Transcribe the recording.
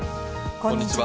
こんにちは。